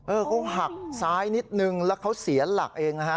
เขาหักซ้ายนิดนึงแล้วเขาเสียหลักเองนะฮะ